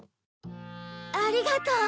ありがとう。